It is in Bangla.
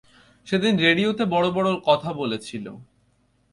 সেদিন রেডিওতে বড় বড় লথা বলছিলো।